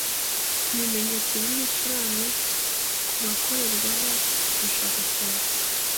ibimenyetso by'ibicurane ku bakorerwaho ubushakashatsi,